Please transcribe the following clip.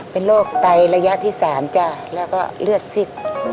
เป็นโรคไตระยะที่๓จ้ะแล้วก็เลือดซิด